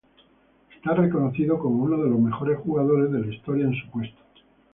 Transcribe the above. Está reconocido como uno de los mejores jugadores de la historia en su puesto.